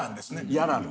嫌なの。